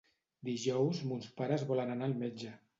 Dijous mons pares volen anar al metge.